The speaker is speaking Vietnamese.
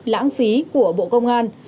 lãng phí của bộ công an